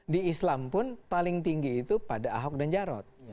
di islam pun paling tinggi itu pada ahok dan jarot